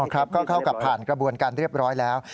ก็เข้ากับผ่านกระบวนการเรียบร้อยแล้ว